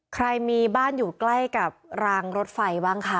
ใครมีบ้านอยู่ใกล้กับรางรถไฟบ้างคะ